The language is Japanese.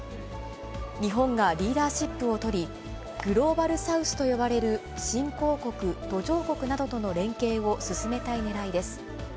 日本がリーダーシップをとり、グローバルサウスと呼ばれる新興国、途上国などとの連携を進めたいねらいです。